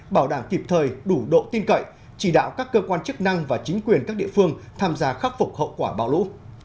bảo đảm kịp thời đủ độ tin cậy chỉ đạo các cơ quan chức năng và chính quyền các địa phương tham gia khắc phục hậu quả bão lũ